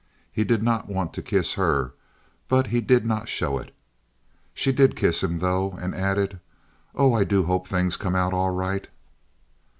He did not want to kiss her, but he did not show it. She did kiss him, though, and added: "Oh, I do hope things come out all right."